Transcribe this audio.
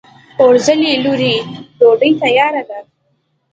اورځلا لورې! ډوډۍ تیاره ده؟